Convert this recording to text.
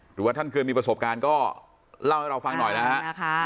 หรือว่าท่านเคยมีประสบการณ์ก็เล่าให้เราฟังหน่อยนะฮะ